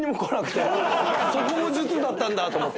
そこも術だったんだと思って。